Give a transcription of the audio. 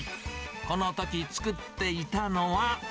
このとき作っていたのは。